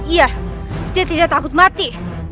iya dia tidak takut mati